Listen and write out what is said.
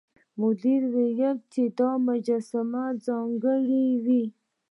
مدیر وویل چې دا مجسمې ځانګړې وې.